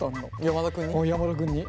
山田君に。